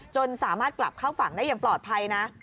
จนสามารถกลับเข้าฝั่งได้อย่างปลอดภัยนะ